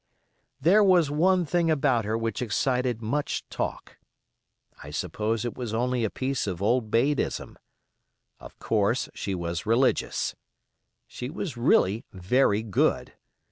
There was one thing about her which excited much talk; I suppose it was only a piece of old maidism. Of course she was religious. She was really very good.